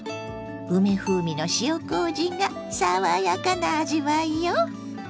梅風味の塩こうじが爽やかな味わいよ！